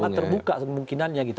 sangat terbuka kemungkinannya gitu